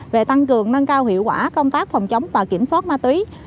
về tăng cường nâng cao hiệu quả công tác phòng chống và kiểm soát ma túy